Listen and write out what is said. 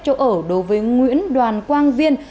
chỗ ở đối với nguyễn đoàn quang viên